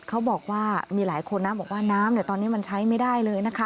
เขาบอกว่ามีหลายคนนะบอกว่าน้ำตอนนี้มันใช้ไม่ได้เลยนะคะ